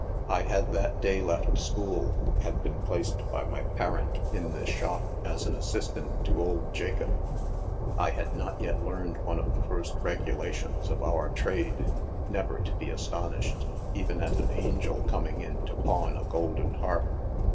I had that day left school, had been placed by ny parent in this shop as an assistant to old Jacob 5 I had not yet learned one of the first regulations of our trade— never to be aston ished, even at an angel coming in to pawn a golden harp.